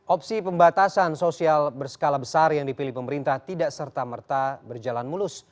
opsi pembatasan sosial berskala besar yang dipilih pemerintah tidak serta merta berjalan mulus